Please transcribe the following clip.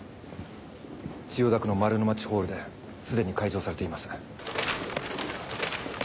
千代田区の丸ノ町ホールで既に開場されています。